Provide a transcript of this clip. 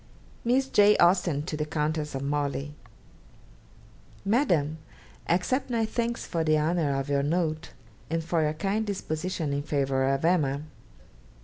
Miss J. Austen to the Countess of Morley. 'MADAM, Accept my thanks for the honour of your note, and for your kind disposition in favour of "Emma."